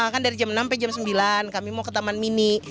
kan dari jam enam sampai jam sembilan kami mau ke taman mini